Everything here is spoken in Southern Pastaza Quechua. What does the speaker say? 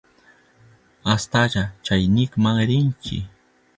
Astalla chaynikman riychi.